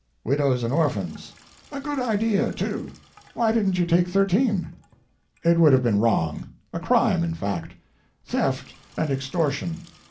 "Widows and orphans." "A good idea, too. Why didn't you take thirteen?" "It would have been wrong; a crime, in fact — Theft and Extortion."